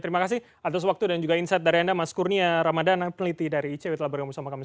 terima kasih atas waktu dan juga insight dari anda mas kurnia ramadana peneliti dari icw telah bergabung sama kami